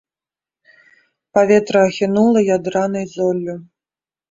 Паветра ахінула ядранай золлю.